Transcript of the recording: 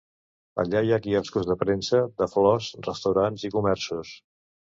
Allà hi ha quioscos de premsa, de flors, restaurants i comerços